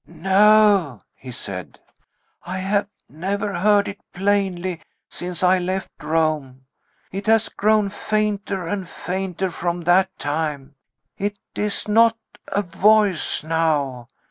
"No," he said; "I have never heard it plainly, since I left Rome. It has grown fainter and fainter from that time. It is not a Voice now.